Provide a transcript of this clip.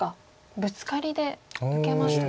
ブツカリで受けましたね。